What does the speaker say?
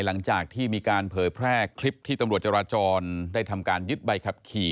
หลังจากที่มีการเผยแพร่คลิปที่ตำรวจจราจรได้ทำการยึดใบขับขี่